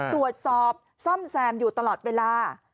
ตรวจสอบซ่อมแซมอยู่ตลอดเวลา